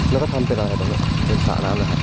แล้วก็ทำเป็นอะไรตรงนี้ค่ะเป็นสระนามหรือครับ